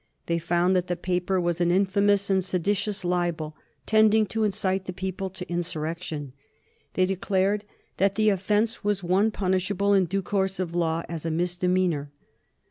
They found that the paper was an infamous and seditious libel tending to incite the people to insurrection. They declared that the offence was one punishable in due course of law as a misdemeanor.